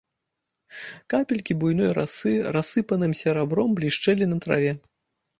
Капелькі буйной расы рассыпаным серабром блішчэлі на траве.